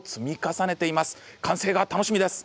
完成が楽しみです。